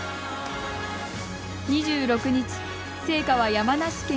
２６日、聖火は山梨県へ。